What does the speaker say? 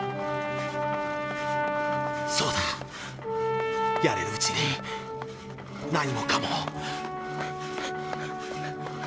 そうだやれるうちに何もかも。